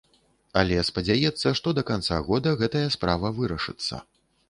Але спадзяецца, што да канца года гэтая справа вырашыцца.